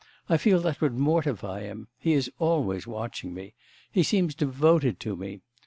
I feel that would mortify him. He is always watching me. He seems devoted to me.